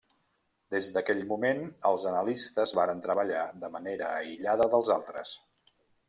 Des d'aquell moment, els analistes varen treballar de manera aïllada dels altres.